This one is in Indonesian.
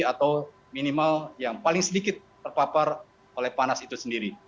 atau minimal yang paling sedikit terpapar oleh panas itu sendiri